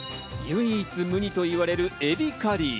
唯一無二といわれる海老カリー。